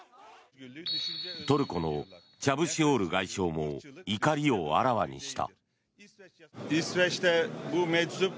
トルコのチャブシオール外相も怒りをあらわにした。